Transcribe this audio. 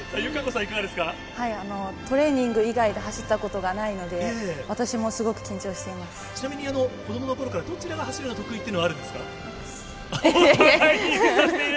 はい、トレーニング以外で走ったことがないので、私もすごく緊張していちなみに子どものころから、どちらが走るのが得意というのはあるんですか、お互いに指さしている。